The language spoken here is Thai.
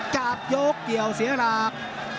จากโยกเกี่ยวเสียหลัก